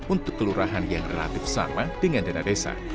untuk kelurahan yang relatif sama dengan dana desa